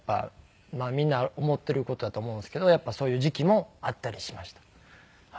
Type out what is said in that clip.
みんな思っている事やと思うんですけどやっぱりそういう時期もあったりしました。